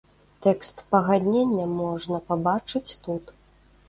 Тэкст пагаднення можна пабачыць тут.